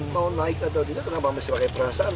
mau naik atau tidak kenapa masih pakai perasaan